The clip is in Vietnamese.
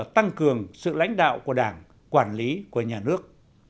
cơ sở tăng cường sự lãnh đạo của đảng quản lý của nhà nước